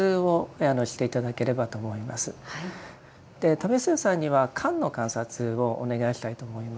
為末さんには「観」の観察をお願いしたいと思います。